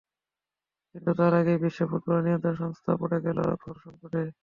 কিন্তু তার আগেই বিশ্ব ফুটবলের নিয়ন্ত্রক সংস্থা পড়ে গেল ঘোর সংকটে।